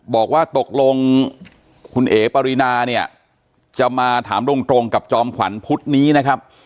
บอกว่าตกลงคุณเอ๋ปรินาเนี่ยจะมาถามตรงกับจอมขวัญพุธนี้นะครับ